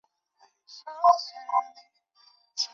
氯苯乙酮很容易在市面上买到。